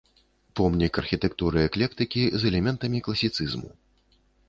Помнік архітэктуры эклектыкі з элементамі класіцызму.